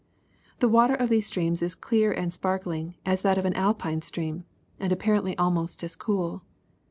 The water of these streams is clear and sparkling as that of an Alpine stream and apparently almost as cool.